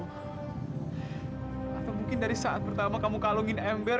atau mungkin dari saat pertama kamu kalungin embel